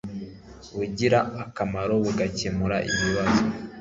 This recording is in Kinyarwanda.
bugira akamaro mugukemura ibibazo